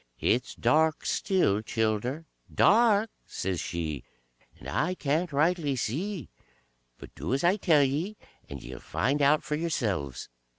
"It's dark still, childer, dark!" says she, "and I can't rightly see, but do as I tell ye, and ye 'll find out for yourselves.